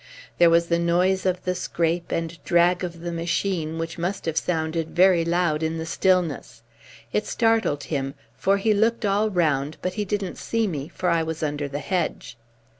There was the noise of the scrape and drag of the machine which must have sounded very loud in the stillness. It startled him, for he looked all round, but he didn't see me, for I was under the hedge.